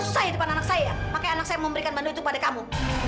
sampai anak saya mau memberikan bando itu sama kamu